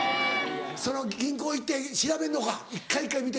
・その銀行行って調べるのか一回一回見て。